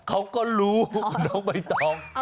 เขาก็รู้น้องไม่ต้อง